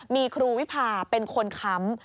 มีครูวิพาเป็นคนค้ำ